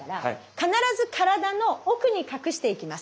必ず体の奥に隠していきます。